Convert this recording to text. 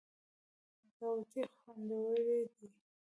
ګاوتې خوندورې دي.